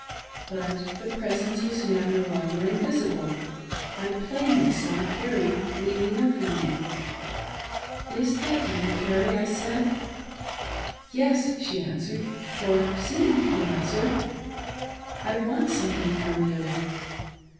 But the " Presence " was now no longer invisible — I plainly saw Carrie leaning over me. " Is that you, Carrie .'" I said. " Yes," she answered, or seemed to answer, " I want some thing from you."